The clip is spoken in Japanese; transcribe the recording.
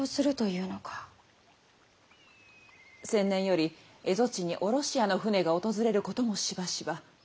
先年より蝦夷地にヲロシアの船が訪れることもしばしば。